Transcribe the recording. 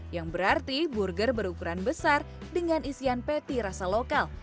yang berarti burger berukuran besar dengan isian patty rasa lokal